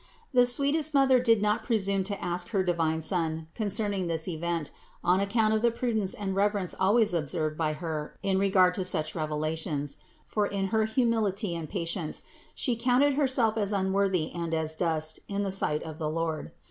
The sweetest Mother did not presume to ask her divine Son concerning this event, on account of the prudence and reverence always observed by Her in regard to such revelations ; for in her humility and patience She counted Herself as unworthy and as dust in the sight of the Lord.